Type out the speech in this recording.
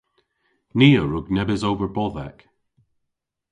Ni a wrug nebes ober bodhek.